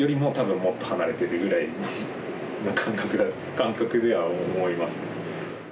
感覚では思いますね。